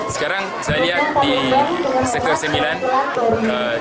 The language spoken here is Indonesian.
sekarang saya lihat di sektor sembilan